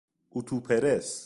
اتو پرس